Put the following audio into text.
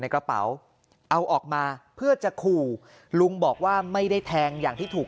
กระเป๋าเอาออกมาเพื่อจะขู่ลุงบอกว่าไม่ได้แทงอย่างที่ถูก